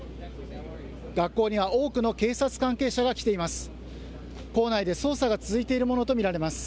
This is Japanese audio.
学校には多くの警察関係者が来ています。